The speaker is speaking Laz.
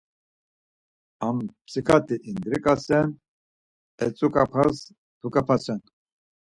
Amtsikati indriǩasen, etzuǩap̌as duǩap̌asen.